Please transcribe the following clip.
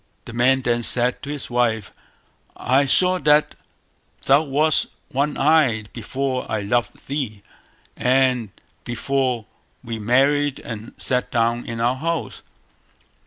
The man then said to his wife "I saw that thou wast one eyed before I loved thee, and before we married and sat down in our house".